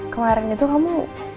kemaren itu kamu